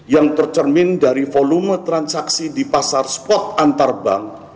yang tercermin dari volume transaksi di pasar spot antar bank